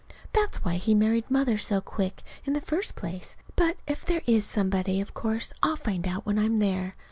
That's why he married Mother so quick, in the first place. But if there is somebody, of course I'll find out when I'm there.